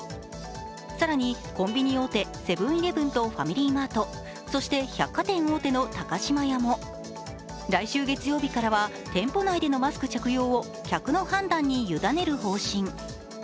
更にコンビニ大手、セブン−イレブンとファミリーマート、そして百貨店大手の高島屋も、来週月曜日からは店舗内でのマスク着用を、客の判断に委ねる方針。